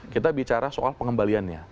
kita bicara soal pengembaliannya